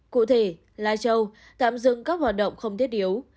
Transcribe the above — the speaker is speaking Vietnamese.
cụ thể lai châu tạm dừng các hoạt động không thiết yếu